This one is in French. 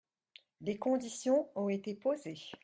Des conditions ont été posées.